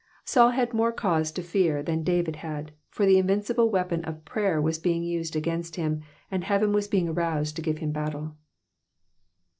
Saul had more cause to fear than David had, for the invincible weapon of prater was being used against him, and heaven was being aroused to give him battle.